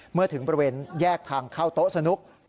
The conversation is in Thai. เมื่อถึงบริเวณแยกทางเข้าโต๊ะสนุก